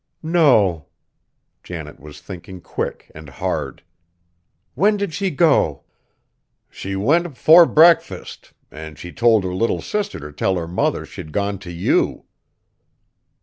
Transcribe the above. "No!" Janet was thinking quick and hard. "When did she go?" "She went 'fore breakfast, an' she told her little sister t' tell her mother she'd gone t' you!"